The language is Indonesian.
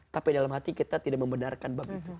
tapi dalam hati kita tidak membenarkan bab itu